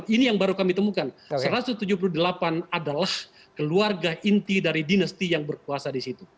satu ratus tujuh puluh delapan ini yang baru kami temukan satu ratus tujuh puluh delapan adalah keluarga inti dari dinasti yang berkuasa di situ